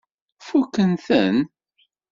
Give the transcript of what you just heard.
Fukkent-ten?